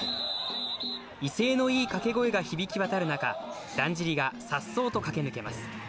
威勢のいい掛け声が響き渡る中、だんじりがさっそうと駆け抜けます。